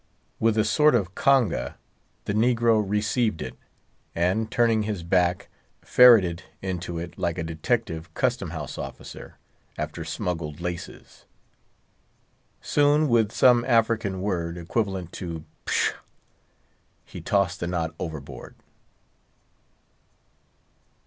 With a sort of congé, the negro received it, and, turning his back, ferreted into it like a detective custom house officer after smuggled laces. Soon, with some African word, equivalent to pshaw, he tossed the knot overboard.